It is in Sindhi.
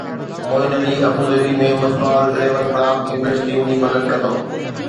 معين علي ابوظهبي ۾ مصباح اليون خلاف انگلش ٽيم جي مدد ڪندو